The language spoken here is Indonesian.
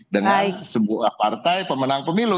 dengan sebuah partai pemenang pemilu